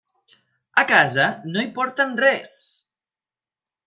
A casa no hi porten res.